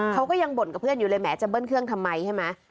เขาก็ยังบ่นกับเพื่อนอยู่เลยแม้จะเบิ้ลเครื่องทำไมใช่ไหม